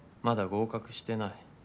まだ合格してない。